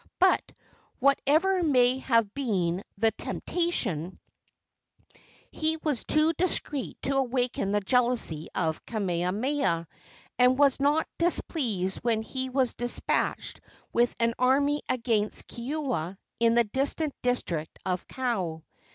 But, whatever may have been the temptation, he was too discreet to awaken the jealousy of Kamehameha, and was not displeased when he was despatched with an army against Keoua in the distant district of Kau.